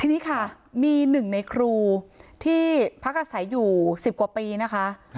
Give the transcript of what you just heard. ทีนี้ค่ะมีหนึ่งในครูที่พักอาศัยอยู่๑๐กว่าปีนะคะ